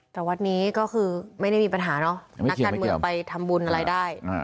แต่วัดนี้ก็คือไม่ได้มีปัญหาเนอะนักการเมืองไปทำบุญอะไรได้